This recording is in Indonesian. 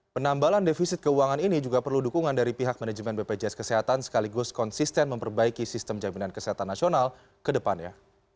penambalan defisit keuangan ini juga perlu dukungan dari pihak manajemen bpjs kesehatan sekaligus konsisten memperbaiki sistem jaminan kesehatan nasional ke depannya